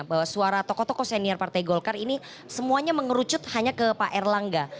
bahwa suara tokoh tokoh senior partai golkar ini semuanya mengerucut hanya ke pak erlangga